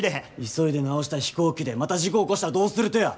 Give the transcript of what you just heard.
急いで直した飛行機でまた事故起こしたらどうするとや！